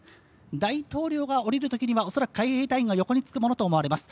大統領が降りるときには、恐らく、海兵隊員が横につくものと思われます。